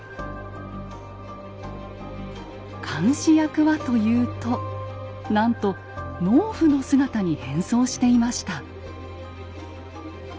監視役はというとなんと農夫の姿に変装していました。